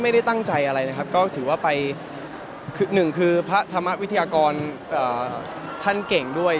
ไม่ได้ตั้งใจอะไรนะครับก็ถือว่าไปคือหนึ่งคือพระธรรมวิทยากรท่านเก่งด้วย